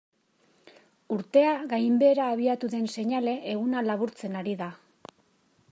Urtea gainbehera abiatu den seinale, eguna laburtzen ari da.